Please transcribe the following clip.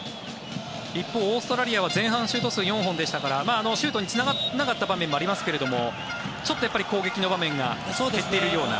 一方、オーストラリアは前半、シュート数４本ですからシュートにつながらなかった場面もありましたけどちょっと攻撃の場面が減っているような。